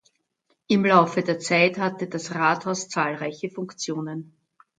Im Laufe der Zeit hatte das Rathaus zahlreiche Funktionen.